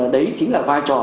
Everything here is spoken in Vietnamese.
đấy chính là vai trò